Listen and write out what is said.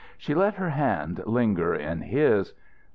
She let her hand linger in his.